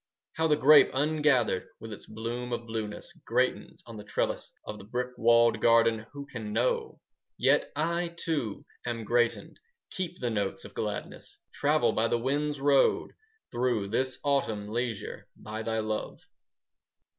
10 How the grape ungathered With its bloom of blueness Greatens on the trellis Of the brick walled garden, Who can know? 15 Yet I, too, am greatened, Keep the note of gladness, Travel by the wind's road, Through this autumn leisure,— By thy love.